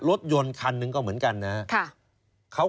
รถยนต์คันหนึ่งก็เหมือนกันนะครับ